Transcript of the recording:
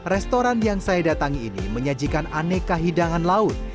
restoran yang saya datangi ini menyajikan aneka hidangan laut